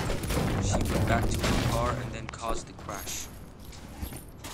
She went back to her car and then caused the crash.